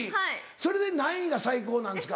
それで何位が最高なんですか？